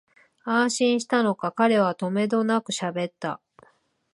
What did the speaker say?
安心したのか、彼はとめどなくしゃべった